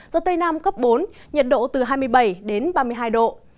gió tây nam cấp bốn nhiệt độ từ hai mươi bảy đến ba mươi hai độ